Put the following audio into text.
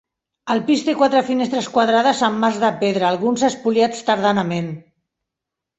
El pis té quatre finestres quadrades amb marcs de pedra, alguns espoliats tardanament.